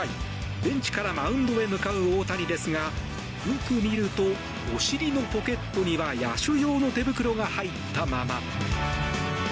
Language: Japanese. ベンチからマウンドへ向かう大谷ですがよく見るとお尻のポケットには野手用の手袋が入ったまま。